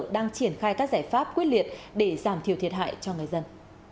đang triển khai các giải pháp quyết liệt để giảm thiểu thiệt hại cho người dân